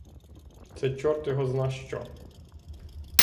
Це чорт його зна що.